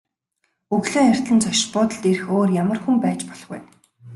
Өглөө эртлэн зочид буудалд ирэх өөр ямар хүн байж болох вэ?